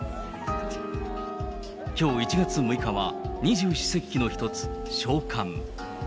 きょう１月６日は、二十四節気の一つ、小寒。